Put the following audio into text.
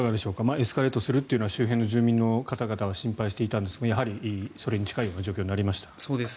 エスカレートするというのは周辺の住民の方々は心配していたんですがやはりそれに近いような状況になりました。